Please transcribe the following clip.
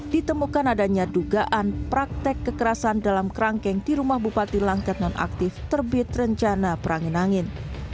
ditemukan adanya dugaan praktek kekerasan dalam kerangkeng di rumah bupati langkat nonaktif terbit rencana perangin angin